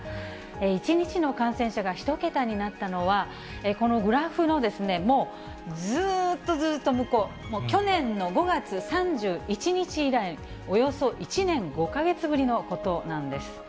１日の感染者が１桁になったのは、このグラフのもう、ずーっとずーっと向こう、もう去年の５月３１日以来、およそ１年５か月ぶりのことなんです。